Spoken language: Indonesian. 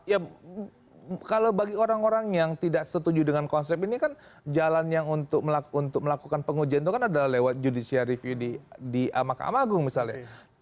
ya kalau bagi orang orang yang tidak setuju dengan konsep ini kan jalan yang untuk melakukan pengujian itu kan adalah lewat judicial review di mahkamah agung misalnya